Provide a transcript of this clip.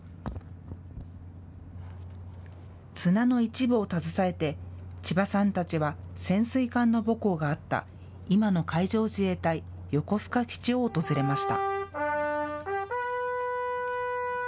砂の一部を携えて千葉さんたちは潜水艦の母港があった今の海上自衛隊横須賀基地を訪れました。